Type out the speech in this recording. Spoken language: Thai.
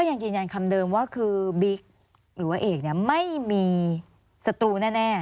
ยังยืนยันคำเดิมว่าคือบิ๊กหรือว่าเอกเนี่ยไม่มีศัตรูแน่